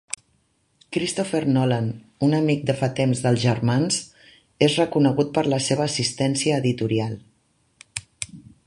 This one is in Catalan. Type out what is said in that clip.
Christopher Nolan, un amic de fa temps dels germans, és reconegut per la seva "assistència editorial".